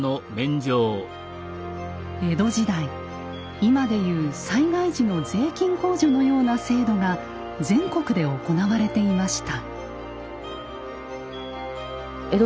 江戸時代今で言う災害時の税金控除のような制度が全国で行われていました。